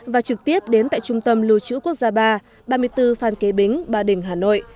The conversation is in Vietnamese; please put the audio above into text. và trực tiếp đến tại trung tâm lưu trữ quốc gia ba ba mươi bốn phan kế bính ba đình hà nội